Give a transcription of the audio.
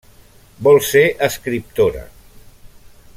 Vol ser escriptora.